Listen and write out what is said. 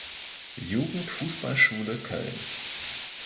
Jugend-Fußball-Schule Köln“.